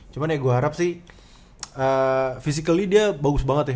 cuman ya gue harap sih physically dia bagus banget ya